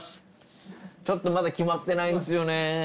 ちょっとまだ決まってないんですよね。